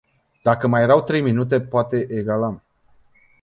Dacă mai erau trei minute poate egalam.